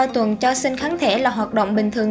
ba tuần cho sinh kháng thể là hoạt động bình thường